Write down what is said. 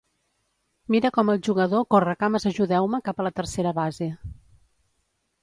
Mira com el jugador corre cames ajudeu-me cap a la tercera base.